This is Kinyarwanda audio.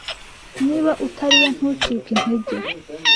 Niba utari we, ntucike intege: